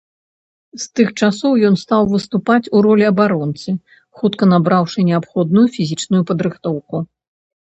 З тых часоў ён стаў выступаць у ролі абаронцы, хутка набраўшы неабходную фізічную падрыхтоўку.